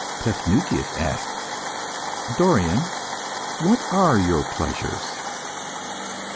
Paphnutius asked "Dorion, what are your pleasures?"